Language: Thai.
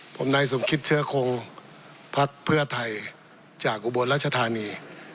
ผมนายสมคิตเชื้อคงพักเพื่อไทยจากอุบลรัชธานี